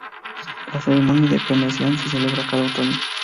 La ceremonia de premiación se celebra cada otoño.